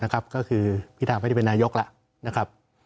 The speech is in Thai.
ก็คือพี่ทางไม่ได้เป็นนายกแล้ว